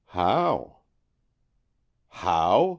" How?" "How?"